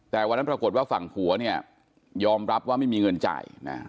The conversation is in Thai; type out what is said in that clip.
แต่วันนั้นปรากฏว่าฝั่งผัวเนี่ยยอมรับว่าไม่มีเงินจ่าย